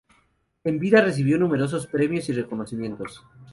En vida recibió numerosos premios y reconocimientos.